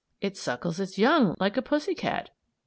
It suckles its young, like a pussy cat!